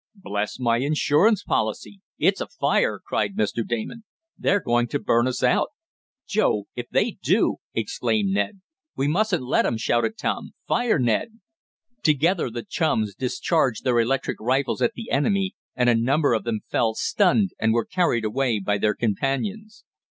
"Bless my insurance policy! It's a fire!" cried Mr. Damon. "They're going to burn us out!" "Jove! If they do!" exclaimed Ned. "We mustn't let 'em!" shouted Tom. "Fire, Ned!" Together the chums discharged their electric rifles at the enemy and a number of them fell, stunned, and were carried away by their companions.